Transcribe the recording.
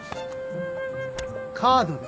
カードで。